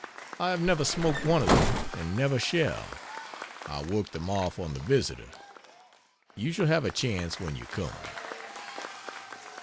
I have never smoked one of them and never shall, I work them off on the visitor. You shall have a chance when you come.